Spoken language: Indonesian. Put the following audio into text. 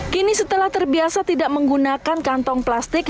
kini setelah terbiasa tidak menggunakan kantong plastik